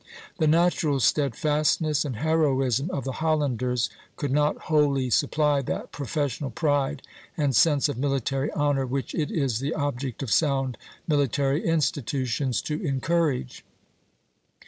The natural steadfastness and heroism of the Hollanders could not wholly supply that professional pride and sense of military honor which it is the object of sound military institutions to encourage.